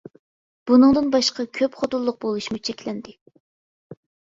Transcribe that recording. بۇنىڭدىن باشقا كۆپ خوتۇنلۇق بولۇشمۇ چەكلەندى.